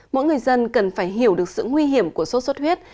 mỗi người dân cần phải hiểu được sự nguy hiểm của sốt xuất huyết